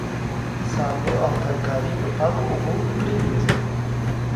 سابه او ترکاري په پاکو اوبو پریمنځئ.